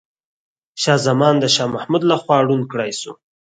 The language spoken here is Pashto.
شاه زمان د شاه محمود لخوا ړوند کړاي سو.